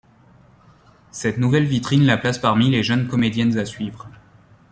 Cette nouvelle vitrine la place parmi les jeunes comédiennes à suivre.